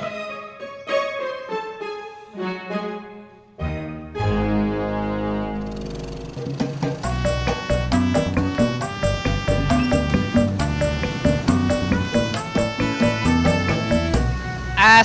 siang hari yang lain